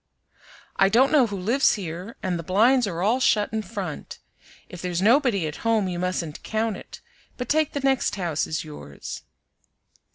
"I don't know who lives here, and the blinds are all shut in front. If there's nobody at home you mustn't count it, but take the next house as yours."